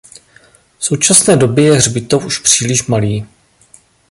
V současné době je hřbitov už příliš malý.